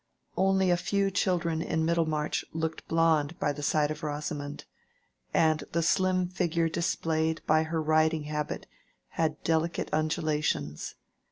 Only a few children in Middlemarch looked blond by the side of Rosamond, and the slim figure displayed by her riding habit had delicate undulations.